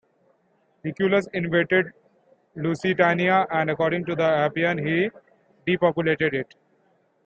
Lucullus invaded Lusitania and, according to Appian, he depopulated it.